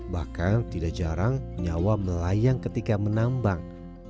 bahkan tidak jarang nyawa melayang ketika menambang